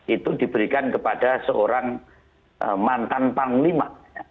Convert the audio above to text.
itu diberikan kepada seorang mantan panglima